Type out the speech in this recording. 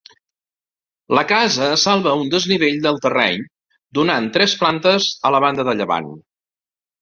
La casa salva un desnivell del terreny donant tres plantes a la banda de llevant.